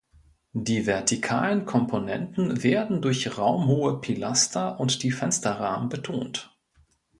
Die vertikalen Komponenten werden durch raumhohe Pilaster und die Fensterrahmen betont.